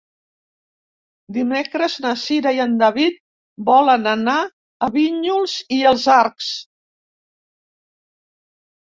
Dimecres na Cira i en David volen anar a Vinyols i els Arcs.